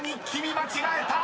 間違えた！］